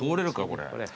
これ。